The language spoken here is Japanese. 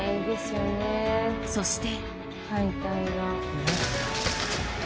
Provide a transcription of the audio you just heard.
そして。